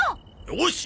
よし！